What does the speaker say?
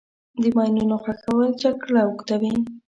د ماینونو ښخول جګړه اوږدوي.